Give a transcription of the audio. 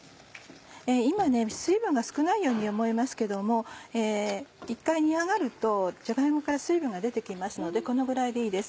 今水分が少ないように思えますけども一回煮上がるとじゃが芋から水分が出て来ますのでこのぐらいでいいです。